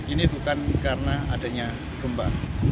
ini bukan karena adanya gempa